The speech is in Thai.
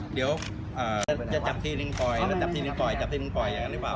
เดี๋ยวจะจับทีนึงปล่อยกันหรือเปล่า